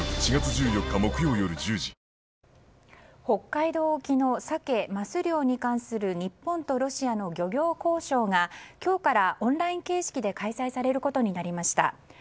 北海道沖のサケ・マス漁に関する日本とロシアの漁業交渉が今日からオンライン形式で開催されることになりました。